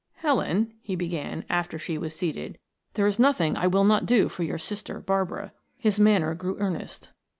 "Helen," he began, after she was seated. "There is nothing I will not do for your sister Barbara," his manner grew earnest.